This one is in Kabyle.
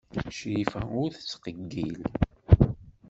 Crifa ur tettqeyyil.